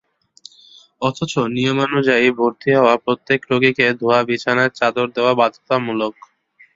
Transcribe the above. অথচ নিয়মানুযায়ী ভর্তি হওয়া প্রত্যেক রোগীকে ধোয়া বিছানার চাদর দেওয়া বাধ্যতামূলক।